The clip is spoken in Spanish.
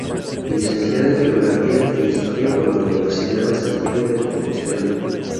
Licenciada en Geografía e Historia por la Universidad de Santiago de Compostela.